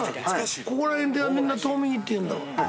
ここら辺ではみんな「とーみぎ」って言うんだわ。